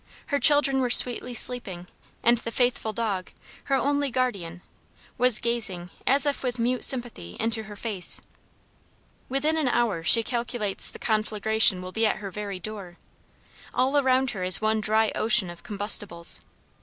Her children were sweetly sleeping, and the faithful dog, her only guardian, was gazing as if with mute sympathy into her face. Within an hour she calculates the conflagration would be at her very door. All around her is one dry ocean of combustibles.